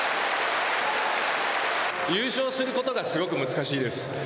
優勝することがすごく難しいです。